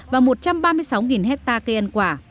và một trăm ba mươi sáu hectare cây ăn quả